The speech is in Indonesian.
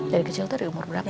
dari kecil itu dari umur berapa